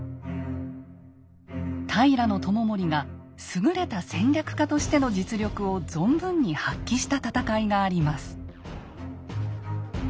平知盛が優れた戦略家としての実力を存分に発揮した戦いがあります。